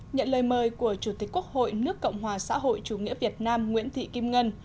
nhận lời mời của chủ tịch quốc hội nước cộng hòa xã hội chủ nghĩa việt nam nguyễn thị kim ngân